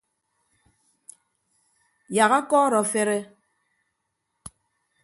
Yak akọọrọ afere.